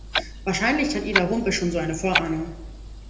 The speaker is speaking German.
Wahrscheinlich hat Ida Humpe schon so eine Vorahnung.